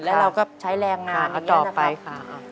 แล้วเราก็ใช้แรงงานอย่างนี้นะครับ